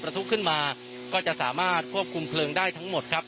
ทุกขึ้นมาก็จะสามารถควบคุมเพลิงได้ทั้งหมดครับ